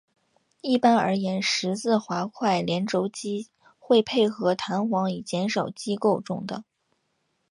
一般而言十字滑块联轴器会配合弹簧以减少机构中的。